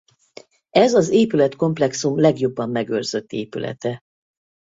Ez az épületkomplexum legjobban megőrzött épülete.